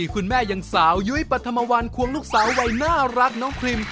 คุณแม่ยังสาวยุ้ยปฐมวันควงลูกสาววัยน่ารักน้องพรีม